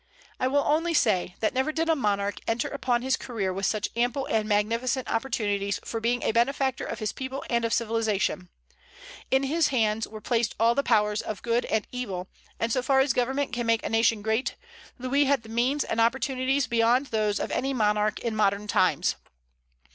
I will only say, that never did a monarch enter upon his career with such ample and magnificent opportunities for being a benefactor of his people and of civilization. In his hands were placed all the powers of good and evil; and so far as government can make a nation great, Louis had the means and opportunities beyond those of any monarch in modern times.